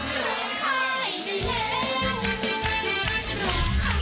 เอ้ยร้องไข่ดีแล้ว